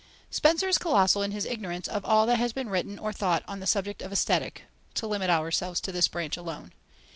Spencer is colossal in his ignorance of all that has been written or thought on the subject of Aesthetic (to limit ourselves to this branch alone).